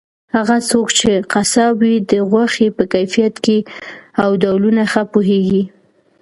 هغه څوک چې قصاب وي د غوښې په کیفیت او ډولونو ښه پوهیږي.